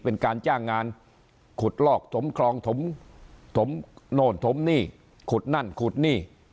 เป็นการจ้างงานขุดลอกถมคลองถมถมโน่นถมนี่ขุดนั่นขุดนี่